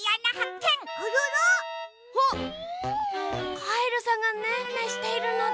あっカエルさんがねんねしているのだ。